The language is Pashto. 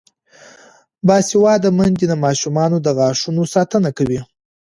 باسواده میندې د ماشومانو د غاښونو ساتنه کوي.